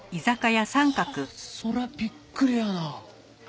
そらびっくりやな。